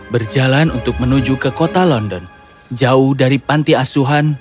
berjalan untuk menuju ke kota london jauh dari panti asuhan